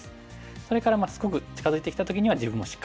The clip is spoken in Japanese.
それからすごく近づいてきた時には自分もしっかり打つ。